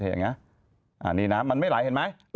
ลงนี้มันไม่ไหลเห็นไหม